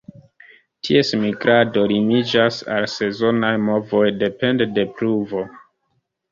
Ties migrado limiĝas al sezonaj movoj depende de pluvo.